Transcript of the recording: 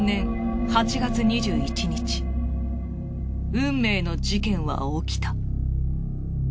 運命の事件は起きた。